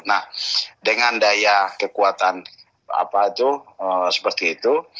nah dengan daya kekuatan seperti itu